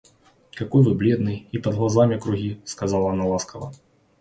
— Какой вы бледный, и под глазами круги, — сказала она ласково.